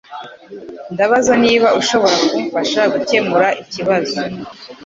Ndabaza niba ushobora kumfasha gukemura ikibazo